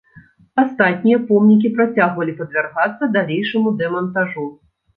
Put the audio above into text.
Астатнія помнікі працягвалі падвяргацца далейшаму дэмантажу.